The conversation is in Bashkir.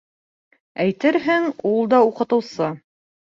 Әйтерһең, ул да уҡытыусы.